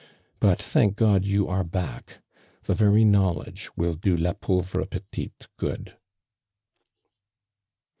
But thunk God, you are hack. The very know ledge will do la pauvre petite good."